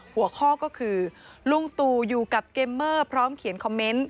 หัวข้อก็คือลุงตู่อยู่กับเกมเมอร์พร้อมเขียนคอมเมนต์